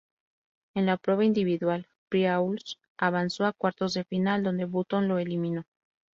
En la prueba individual, Priaulx avanzó a cuartos de final, donde Button lo eliminó.